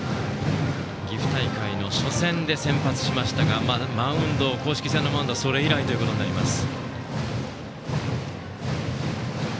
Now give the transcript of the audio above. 岐阜大会の初戦で先発しましたが公式戦のマウンドはそれ以来となります。